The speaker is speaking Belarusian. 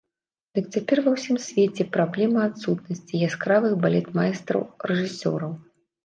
Дык цяпер ва ўсім свеце праблема адсутнасці яскравых балетмайстраў-рэжысёраў.